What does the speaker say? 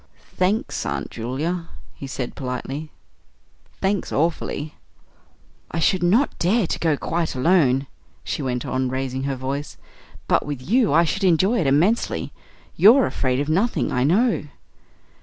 "Thanks, Aunt Julia," he said politely; "thanks awfully." "I should not dare to go quite alone," she went on, raising her voice; "but with you I should enjoy it immensely. You're afraid of nothing, I know."